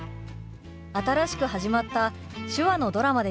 新しく始まった手話のドラマです。